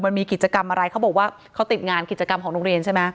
มันมีกิจกรรมอะไรเขาบอกว่าเขาติดงานกิจกรรมของโรงเรียนใช่ไหม